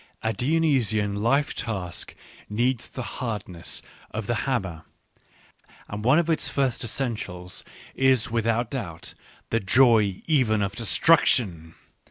(A Dionysian life task needs the hardness of the hammer, and one of its first essentials is without doubt the joy even of destruction.